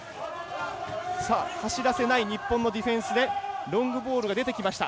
走らせない日本のディフェンスでロングボールが出てきました。